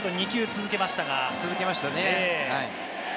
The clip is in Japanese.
続けましたね。